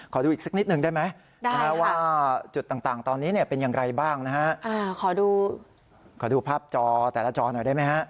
ดูอีกสักนิดหนึ่งได้ไหมว่าจุดต่างตอนนี้เนี่ยเป็นอย่างไรบ้างนะฮะขอดูขอดูภาพจอแต่ละจอหน่อยได้ไหมฮะ